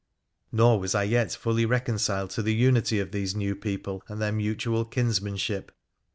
Nor was I yet fully reconciled to the unity of these new people and their mutual kinsmanship.